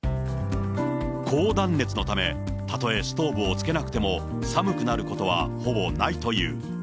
高断熱のため、たとえストーブをつけなくても、寒くなることはほぼないという。